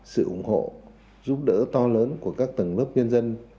sự ủng hộ giúp đỡ to lớn của các tầng lớp nhân dân